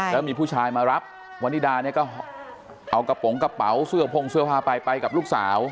แล้วมีผู้ชายมารับวันนิดาเนี่ยก็เอากระโปรงกระเป๋าเสื้อพงเสื้อผ้าไปไปกับลูกสาว